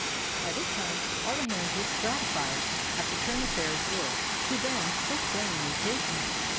By this time all the hands looked gratified at the turn affairs were, to them, so plainly taking.